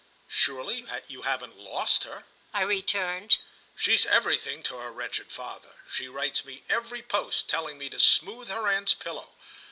"Surely you haven't lost her?" I returned. "She's everything to her wretched father. She writes me every post—telling me to smooth her aunt's pillow.